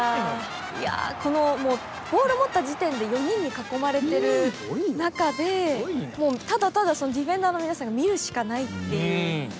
いやこのボール持った時点で４人に囲まれてる中でただただディフェンダーの皆さんが見るしかないっていう。